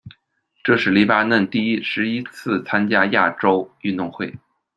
这是黎巴嫩第十一次参加亚洲运动会。